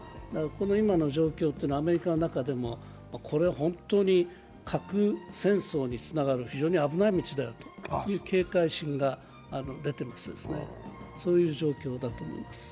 今の状況というのは、アメリカの中でも、これは本当に核戦争につながる非常に危ない道であるという警戒心が出ていますね。